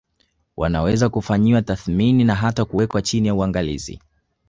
Wanaweza kufanyiwa tathmini na hata kuwekwa chini ya uangalizi